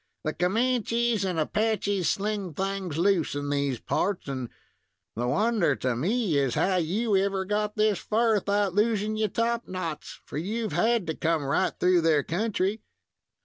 "The Comanches and Apaches sling things loose in these parts, an' the wonder to me is how you ever got this fur without losing your top knots, for you've had to come right through their country."